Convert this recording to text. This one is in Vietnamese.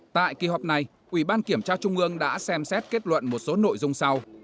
tại kỳ họp này ủy ban kiểm tra trung ương đã xem xét kết luận một số nội dung sau